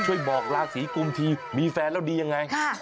บอกราศีกุมทีมีแฟนแล้วดียังไง